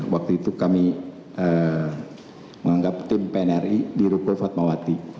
waktu itu kami menganggap tim pnri di ruko fatmawati